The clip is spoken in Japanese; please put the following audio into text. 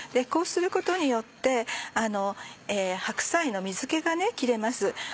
こうすることによって白菜の水気が切れます。